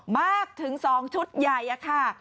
มากถึง๒ชุดใหญ่ค่ะ